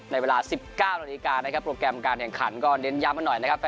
ในเวลา๑๙นาฬิกานะครับโปรแกรมการแข่งขันก็เน้นย้ำกันหน่อยนะครับ